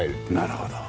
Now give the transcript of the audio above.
なるほど。